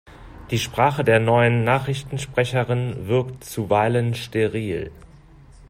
Die Sprache der neuen Nachrichtensprecherin wirkt zuweilen steril.